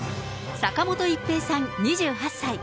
坂本一平さん２８歳。